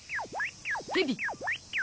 ヘビ。